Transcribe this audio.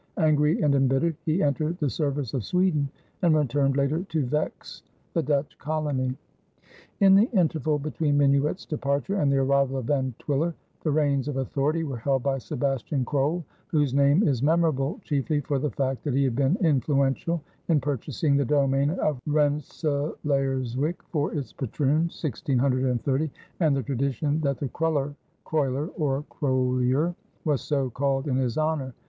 Angry and embittered, he entered the service of Sweden and returned later to vex the Dutch colony. In the interval between Minuit's departure and the arrival of Van Twiller, the reins of authority were held by Sebastian Krol, whose name is memorable chiefly for the fact that he had been influential in purchasing the domain of Rensselaerswyck for its patroon (1630) and the tradition that the cruller, crolyer or krolyer, was so called in his honor.